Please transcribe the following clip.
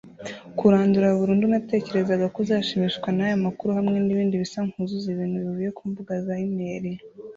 kurandura burundu 'natekerezaga ko uzashimishwa n'aya makuru' hamwe n'ibindi bisa nkuzuza ibintu bivuye ku mbuga za imeri